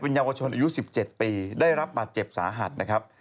เยาวชนอายุ๑๗ปีได้รับบาดเจ็บสาหัสนะครับ